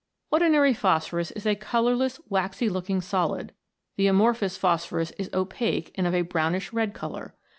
Ordinary phosphorus is a colourless waxy looking solid ; the amorphous phosphorus is opaque, and of a brownish red colour.